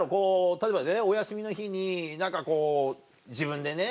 例えばねお休みの日に何かこう自分でね